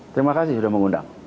terima kasih sudah mengundang